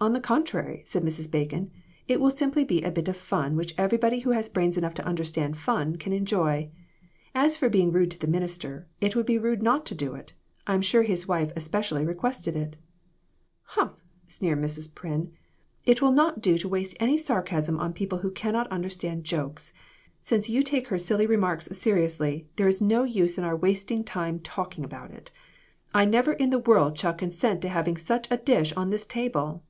"On the contrary," said Mrs. Bacon, "it will simply be a bit of fun which everybody who has brains enough to understand fun, can enjoy. As for being rude to the minister, it would be rude not to do it. I am sure his wife espe cially requested it." "Humph!" sneered Mrs. Pryn, "it will not do to waste any sarcasm on people who cannot understand jokes. Since you take her silly remarks seriously, there is no use in our wast ing time talking about it ; I never in the world shall consent to having such a dish on this table."